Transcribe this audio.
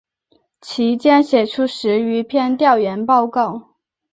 其间写出十余篇调研报告。